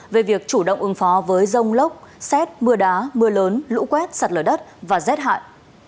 về việc chủ động ứng phó với rông lốc xét mưa đá mưa lớn lũ quét sạt lở đất và rét hại